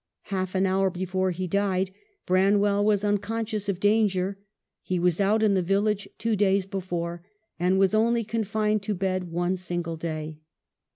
Half an hour before he died Branwell was un conscious of danger ; he was out in the village two days before, and was only confined to bed one single day.